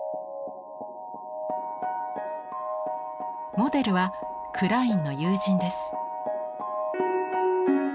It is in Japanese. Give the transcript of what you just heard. モデルはクラインの友人です。